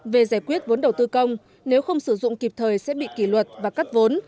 về giải quyết vốn đầu tư công nếu không sử dụng kịp thời sẽ bị kỷ luật và cắt vốn